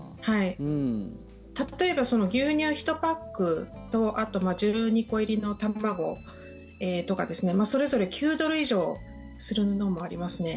例えば、牛乳１パックとあと１２個入りの卵とかそれぞれ９ドル以上するものもありますね。